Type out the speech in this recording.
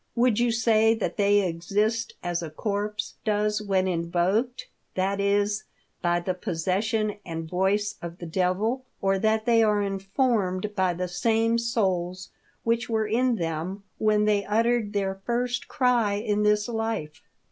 Would you say that they exist as a corpse does when invoked — that is, by the pos session and voice of the Devil, or that they are informed by the same souls which were in them when they uttered their first cry in this life."